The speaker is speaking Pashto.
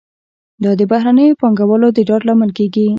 دا د بهرنیو پانګوالو د ډاډ لامل کیږي.